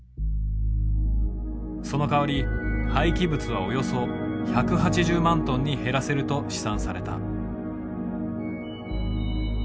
そのかわり廃棄物はおよそ１８０万トンに減らせると試算された。